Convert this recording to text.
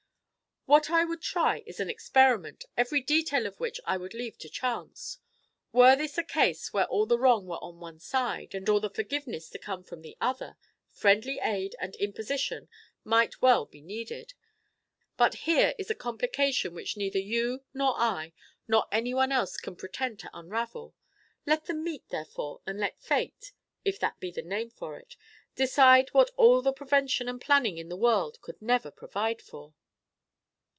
"What I would try is an experiment, every detail of which I would leave to chance. Were this a case where all the wrong were on one side, and all the forgiveness to come from the other, friendly aid and interposition might well be needed; but here is a complication which neither you, nor I, nor any one else can pretend to unravel. Let them meet, therefore, and let Fate if that be the name for it decide what all the prevention and planning in the world could never provide for."